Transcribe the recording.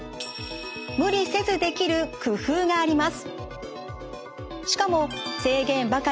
無理せずできる工夫があります。